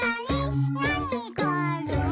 「なにがある？」